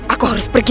aku harus pergi